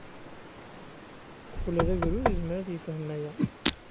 Ula d agrud yezmer ad yefhem aya.